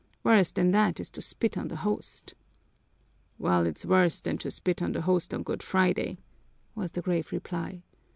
Worse than that is to spit on the Host." "Well, it's worse than to spit on the Host on Good Friday," was the grave reply.